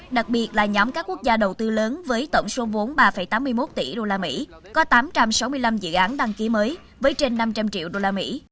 đặc biệt là nhóm các quốc gia đầu tư lớn với tổng số vốn ba tám mươi một tỷ usd có tám trăm sáu mươi năm dự án đăng ký mới với trên năm trăm linh triệu usd